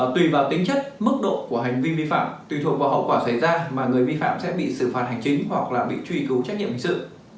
tùy vào tính chất mức độ của hành vi vi phạm tùy thuộc vào hậu quả xảy ra mà người vi phạm sẽ bị xử phạt hành chính hoặc là bị truy cứu trách nhiệm hình sự